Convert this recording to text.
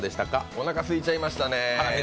おなか、すいちゃいましたね